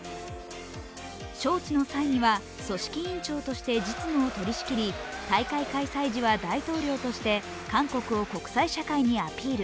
招致の際には組織委員長として実務を取りしきり、大会開催時は大統領として韓国を国際社会にアピール。